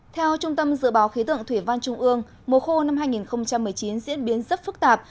theo trung tâm dự báo khí tượng thủy văn trung ương mùa khô năm hai nghìn một mươi chín diễn biến rất phức tạp